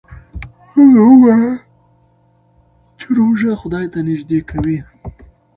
هغه وویل چې روژه خدای ته نژدې کوي.